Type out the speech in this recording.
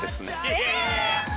え！？